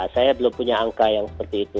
saya belum punya angka yang seperti itu